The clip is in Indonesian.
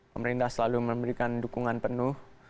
pemerintah selalu memberikan dukungan penuh